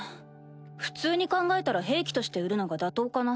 普通に考えたら兵器として売るのが妥当かな。